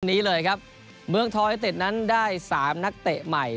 นี้เลยครับเมืองทอยเต็ดนั้นได้๓นักเตะใหม่